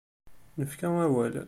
Nefka awal.